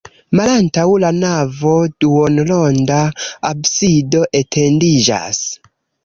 Malantaŭ la navo duonronda absido etendiĝas.